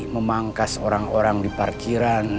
memangkas orang orang di parkiran